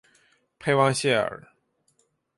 佩旺谢尔。